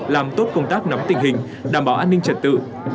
làm tốt công tác nắm tình hình đảm bảo an ninh trật tự